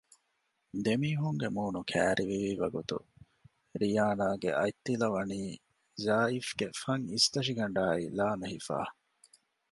ދެމީހުންގެ މޫނު ކައިރިވީވަގުތު ރިޔާނާގެ އަތްތިލަވަނީ ޒާއިފްގެ ފަންއިސްތަށިގަނޑާއި ލާމެހިފަ